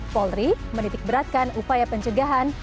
polri menitikberatkan upaya pencegahan